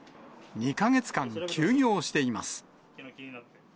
２か月間、休業しています。